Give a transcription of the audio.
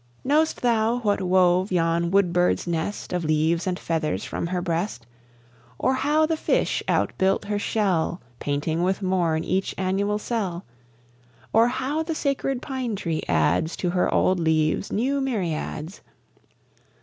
Knowst thou what wove yon woodbird's nest Of leaves and feathers from her breast? Or how the fish outbuilt her shell, Painting with morn each annual cell? Or how the sacred pine tree adds To her old leaves new myriads?